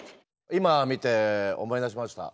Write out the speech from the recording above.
今見て思い出しました。